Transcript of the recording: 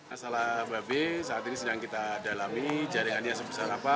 masalah babe saat ini sedang kita dalami jaringannya sebesar apa